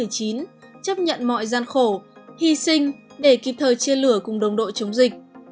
chấp nhận mọi gian khổ hy sinh để kịp thời chia lửa cùng đồng đội chống dịch